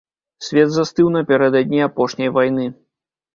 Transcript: Свет застыў напярэдадні апошняй вайны.